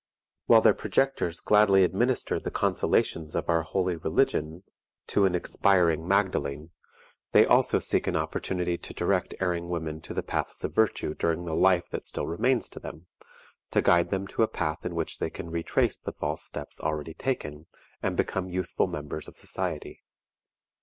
While their projectors gladly administer the consolations of our holy religion to an expiring Magdalen, they also seek an opportunity to direct erring women to the paths of virtue during the life that still remains to them; to guide them to a path in which they can retrace the false steps already taken, and become useful members of society.